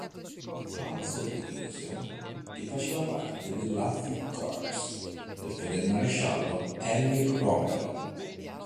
Panzer-Division che faceva parte dell'Afrikakorps del feldmaresciallo Erwin Rommel.